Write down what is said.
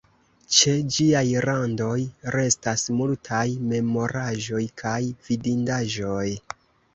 Ĉe ĝiaj randoj restas multaj memoraĵoj kaj vidindaĵoj.